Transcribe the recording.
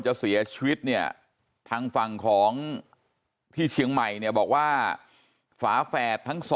จะเสียชีวิตเนี่ยทางฝั่งของที่เชียงใหม่เนี่ยบอกว่าฝาแฝดทั้ง๒